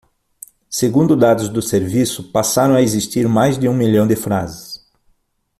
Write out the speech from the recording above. Segundo dados do serviço, passaram a existir mais de um milhão de frases.